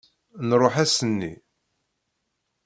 Nruḥ ass-nni.